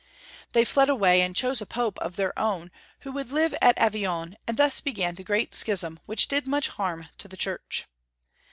They fled away, and chose a Pope of their o^vn who would live at Avignon, and thus began the great echism which did much harm to the Church.